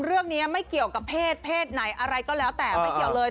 เรื่องนี้ไม่เกี่ยวกับเพศเพศไหนอะไรก็แล้วแต่ไม่เกี่ยวเลย